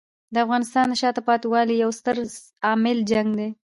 د افغانستان د شاته پاتې والي یو ستر عامل جنګ دی.